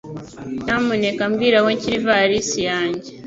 Nyamuneka mbwira aho nshyira ivarisi yanjye.